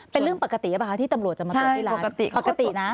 เป็นเรื่องปกติใช่ป่ะคะที่ตำรวจจะมาตรวจที่ร้าน